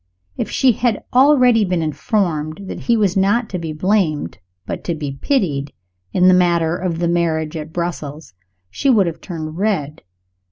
If she had already been informed that he was not to be blamed, but to be pitied, in the matter of the marriage at Brussels, she would have turned red.